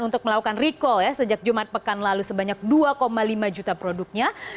untuk melakukan recall ya sejak jumat pekan lalu sebanyak dua lima juta produknya